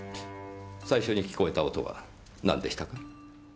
最初に聞こえた音はなんでしたか？